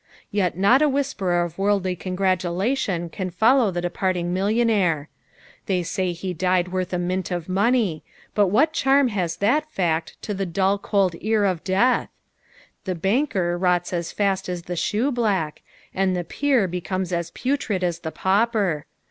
Yet nut a whisper of worldly congratulation can follow the departing millionaire ; they say he died worth a mint of money, hut what charm has that tact to the dull cold ear of death t The banker rots as fast as the shoeblack, and the peer becomes as putrid as the pauper.